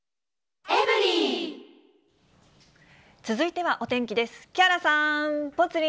続いてはお天気です。